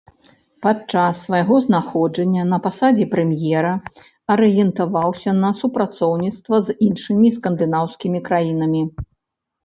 Падчас свайго знаходжання на пасадзе прэм'ера арыентаваўся на супрацоўніцтва з іншымі скандынаўскімі краінамі.